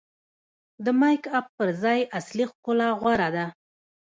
د میک اپ پر ځای اصلي ښکلا غوره ده.